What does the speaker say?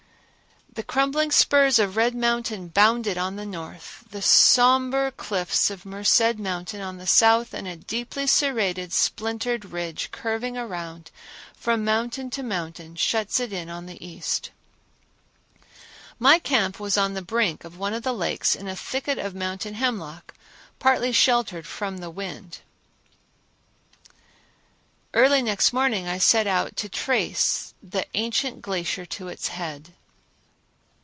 The crumbling spurs of Red Mountain bound it on the north, the somber cliffs of Merced Mountain on the south and a deeply serrated, splintered ridge curving around from mountain to mountain shuts it in on the east. My camp was on the brink of one of the lakes in a thicket of mountain hemlock, partly sheltered from the wind. Early next morning I set out to trace the ancient glacier to its head.